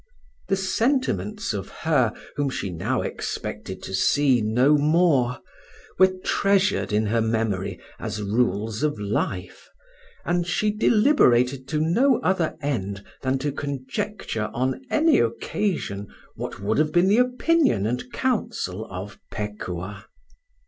The sentiments of her whom she now expected to see no more were treasured in her memory as rules of life, and she deliberated to no other end than to conjecture on any occasion what would have been the opinion and counsel of Pekuah.